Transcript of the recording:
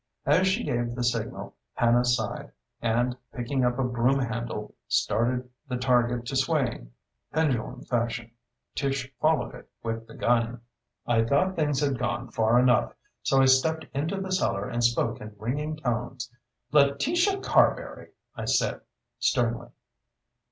As she gave the signal. Hannah sighed, and, picking up a broomhandle, started the target to swaying, pendulum fashion; Tish followed it with the gun. I thought things had gone far enough, so I stepped into the cellar and spoke in ringing tones. "Letitia Carberry!" I said sternly.